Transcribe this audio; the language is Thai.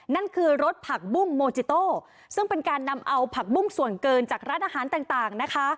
นั่นคือรสผักบุ้งโมจิโต้ซึ่งเป็นการนำเอาผักบุ้งส่วนเกินจากร้านอาหารต่างนะคะ